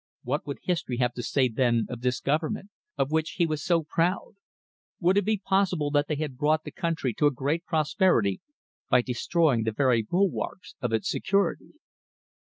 What would history have to say then of this Government of which he was so proud? Would it be possible that they had brought the country to a great prosperity by destroying the very bulwarks of its security?